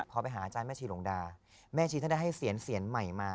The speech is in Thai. พอไปหาอาจารย์แม่ชีหลงดาแม่ชีท่านได้ให้เสียนใหม่มา